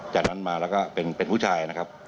จากนั้นมาแล้วก็เป็นผู้ชายนะครับ